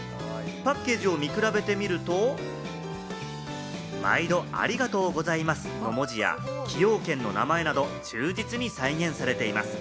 パッケージを見比べてみると、「毎度有難うございます」の文字や崎陽軒の名前などを忠実に再現されています。